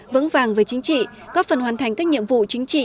vững vàng về chính trị góp phần hoàn thành các nhiệm vụ chính trị